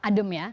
sangat adem ya